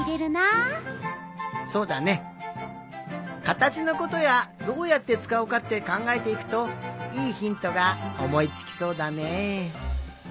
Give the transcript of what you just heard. かたちのことやどうやってつかうかってかんがえていくといいひんとがおもいつきそうだねえ。